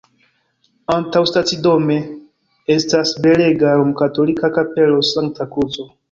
Antaŭstacidome estas belega romkatolika Kapelo Sankta Kruco.